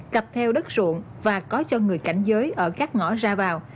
cặp theo đất ruộng và có cho người cảnh giới ở các ngõ ra vào